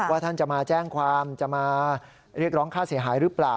ท่านจะมาแจ้งความจะมาเรียกร้องค่าเสียหายหรือเปล่า